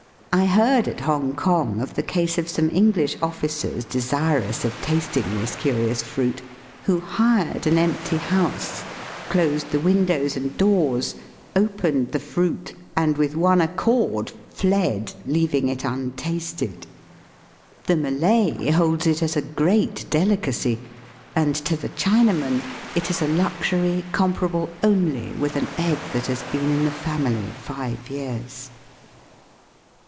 I heard at Hongkong of the case of some English officers desirous of tasting this curious fruit, who hired an empty house, closed the windows and doors, opened the fruit, and with one accord fled, leaving it untasted. The Malay holds it as a great delicacy, and to the China man it is a luxury comparable only with an egg that has been in the family five years.